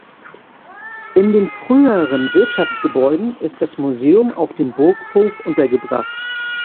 In den früheren Wirtschaftsgebäuden ist das Museum auf dem Burghof untergebracht.